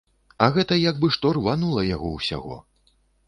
А гэта як бы што рванула яго ўсяго.